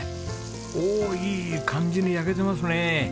おおっいい感じに焼けてますね。